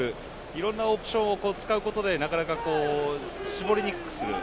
いろんなオプションを使うことでなかなか絞りにくくする。